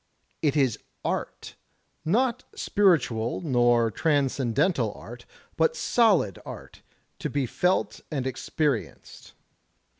It is art; not spiritual nor transcendental art but solid arty to he felt and experienced.